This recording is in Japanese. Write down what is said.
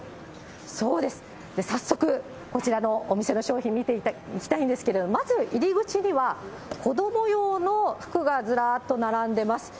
早速、こちらのお店の商品見ていきたいんですけれども、まず入り口には、子ども用の服がずらっと並んでます。